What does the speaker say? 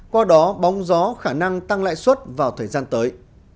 qua đó bóng gió khả năng tăng lãi suất vào thời gian tới